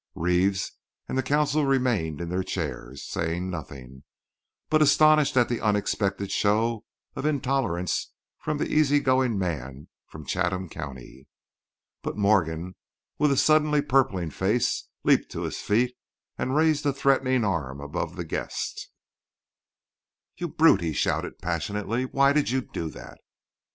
Reeves and the consul remained in their chairs, saying nothing, but astonished at the unexpected show of intolerance from the easy going man from Chatham county. But Morgan, with a suddenly purpling face, leaped, to his feet and raised a threatening arm above the guest. "You—brute!" he shouted, passionately; "why did you do that?"